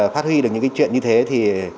phát huy được những chuyện như thế thì